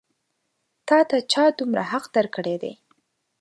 تا ته چا دومره حق درکړی دی؟